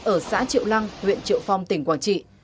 ở xã triệu lăng huyện triệu phong tỉnh quảng trị